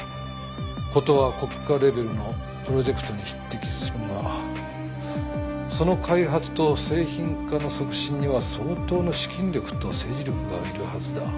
事は国家レベルのプロジェクトに匹敵するがその開発と製品化の促進には相当の資金力と政治力がいるはずだ。